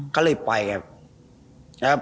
ก็เลยไปครับ